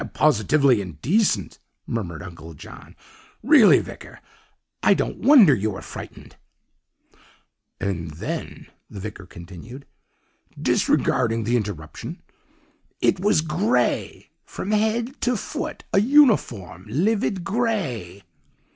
"'How positively indecent,' murmured Uncle John, 'really vicar, I don't wonder you were frightened.' "'And then,' the vicar continued, disregarding the interruption, 'it was grey! from head to foot a uniform livid grey.